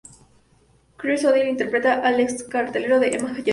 Chris O'Donnell interpreta al ex carcelero de Emma, Jason.